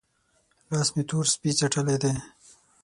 لاس مې تور سپۍ څټلی دی؟